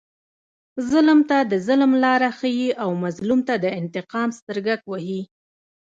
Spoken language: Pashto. ظلم ته د ظلم لاره ښیي او مظلوم ته د انتقام سترګک وهي.